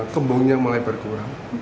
kembungnya mulai berkurang